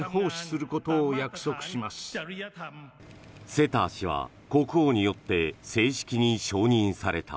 セター氏は国王によって正式に承認された。